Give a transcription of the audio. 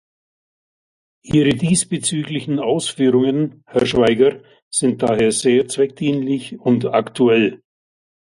Ihre diesbezüglichen Ausführungen, Herr Schwaiger, sind daher sehr zweckdienlich und aktuell.